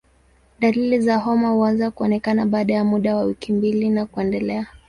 Dalili za homa hii huanza kuonekana baada ya muda wa wiki mbili na kuendelea.